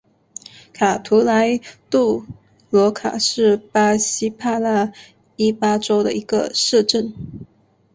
卡图莱杜罗卡是巴西帕拉伊巴州的一个市镇。